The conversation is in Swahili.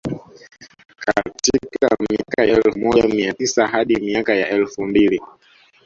Katika miaka ya elfu moja mia tisa hadi miaka ya elfu mbili